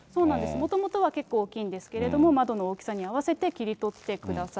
もともとは結構大きいんですけれども、窓の大きさに合わせて切り取ってください。